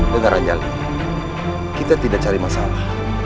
dengar anjali kita tidak cari masalah